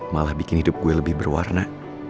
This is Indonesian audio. malah bikin hidup gue lebih berwarna